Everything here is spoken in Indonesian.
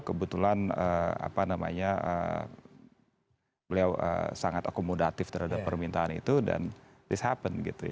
kebetulan beliau sangat akomodatif terhadap permintaan itu dan this happened